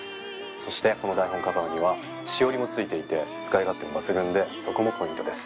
そしてこの台本カバーにはしおりも付いていて使い勝手も抜群でそこもポイントです。